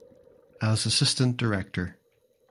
As assistant director